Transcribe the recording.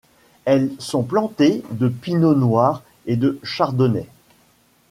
Elles sont plantées de pinot noir et de chardonnay.